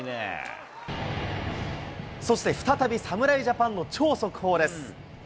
そして再び侍ジャパンの超速報です。